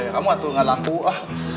kamu atur ga laku ah